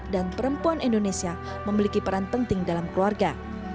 dan perempuan indonesia memiliki peran penting dalam keluarga